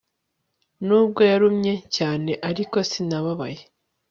Nubwo yarumye cyane ariko sinababaye